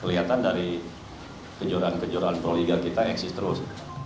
kelihatan dari kejoran kejoran pro liga kita eksis terus